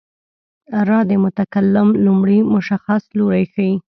را د متکلم لومړی شخص لوری ښيي.